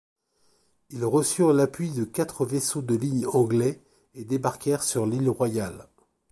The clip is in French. Ils reçurent l’appui de quatre vaisseaux de ligne anglais et débarquèrent sur l’Île Royale.